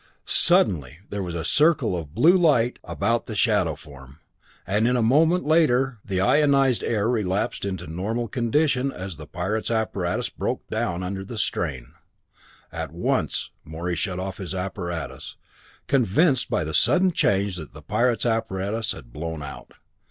Suddenly there was a circle of blue light about the shadow form, and a moment later the ionized air relapsed into normal condition as the pirate's apparatus broke down under the strain. At once Morey shut off his apparatus, convinced by the sudden change that the pirate's apparatus had blown out.